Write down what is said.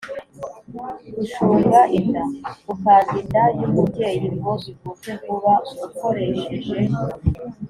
gushunga inda: gukanda inda y’umubyeyi ngo ivuke vuba ukoresheje